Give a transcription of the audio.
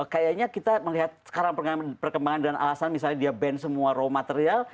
kayaknya kita melihat sekarang perkembangan dan alasan misalnya dia ban semua raw material